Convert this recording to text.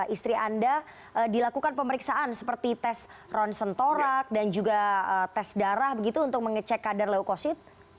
istri anda dilakukan pemeriksaan seperti tes ronsen torak dan juga tes darah begitu untuk mengecek kadar leukosit